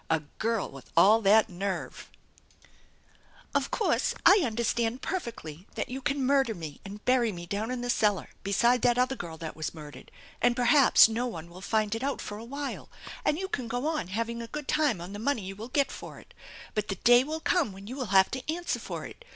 " A girl with all that nerve !"" Of course, I understand perfectly that you can murder me and bury me down in the cellar beside that other girl that was murdered, and perhaps no one will find it out for a while, and you can go on having a good time on the money 276 THE ENCHANTED BARN you will get for it. But the day will come when you will have to answer for it!